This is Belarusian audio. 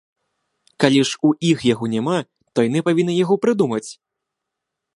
Калі ж у іх яго няма, то яны павінны яго прыдумаць!